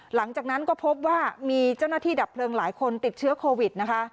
หลังจากนั้นก็พบว่ามีเจ้าหน้าที่ดับเพลิงหลายคนติดเชื้อโควิดนะคะ